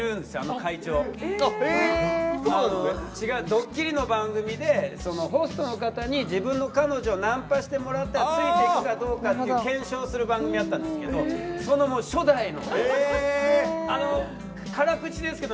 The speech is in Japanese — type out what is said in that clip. ドッキリの番組でそのホストの方に自分の彼女ナンパしてもらったらついていくかどうかっていう検証する番組あったんですけどその初代の。え⁉へえ。って思ってる時期があったんですよ。